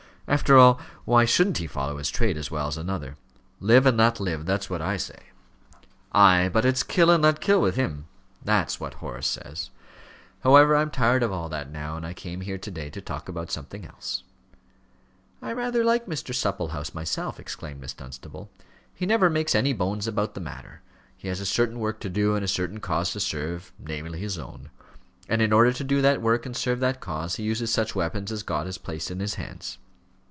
After all, why shouldn't he follow his trade as well as another? Live and let live, that's what I say." "Ay, but it's kill and let kill with him. That is what Horace says. However, I am tired of all that now, and I came here to day to talk about something else." "I rather like Mr. Supplehouse myself," exclaimed Miss Dunstable. "He never makes any bones about the matter. He has a certain work to do, and a certain cause to serve namely, his own; and in order to do that work, and serve that cause, he uses such weapons as God has placed in his hands."